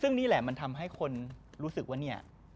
ซึ่งนี่แหละมันทำให้คนรู้สึกว่าเนี่ย